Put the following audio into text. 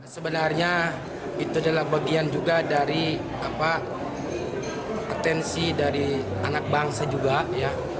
sebenarnya itu adalah bagian juga dari atensi dari anak bangsa juga ya